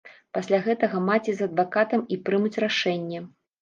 Пасля гэтага маці з адвакатам і прымуць рашэнне.